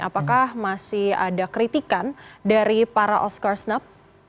apakah masih ada kritikan dari para oscar snap